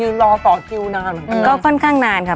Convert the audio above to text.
อือก็ค่อนข้างนานค่ะ